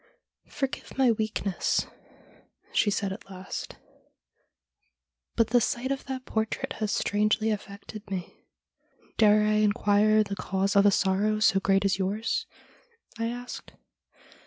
' Forgive my weakness,' she said at last, ' but the sight of that portrait has strangely affected me.' ' Dare I inquire the cause of a sorrow so great as yours ?' I asked.